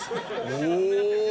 「おお」